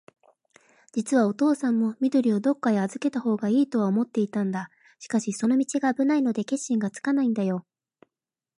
じつはおとうさんも、緑をどっかへあずけたほうがいいとは思っていたんだ。しかし、その道があぶないので、決心がつかないんだよ。